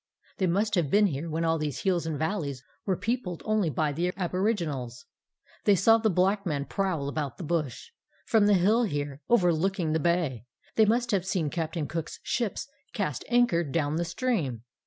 They must have been here when all these hills and valleys were peopled only by the aboriginals. They saw the black man prowl about the bush. From the hill here, overlooking the bay, they must have seen Captain Cook's ships cast anchor down the stream.